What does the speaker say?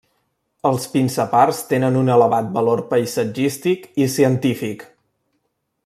Els pinsapars tenen un elevat valor paisatgístic i científic.